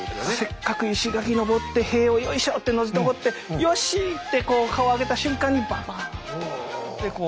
せっかく石垣登って塀を「よいしょ」ってよじ登って「よし！」ってこう顔を上げた瞬間にババーってこう。